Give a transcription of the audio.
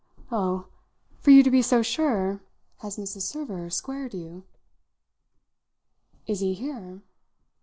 "Oh, for you to be so sure, has Mrs. Server squared you?" "Is he here?"